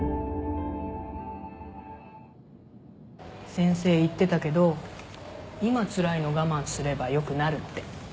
先生言ってたけど今つらいの我慢すれば良くなるって。